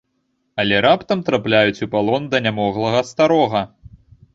Але раптам трапляюць у палон да нямоглага старога.